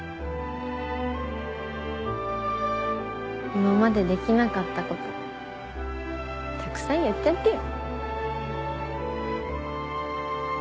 今までできなかったことたくさんやっちゃってよ。